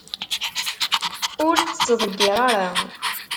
Ur t-ttḍeggir ara!